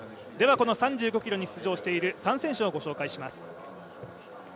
３５ｋｍに出場している３選手をご紹介します。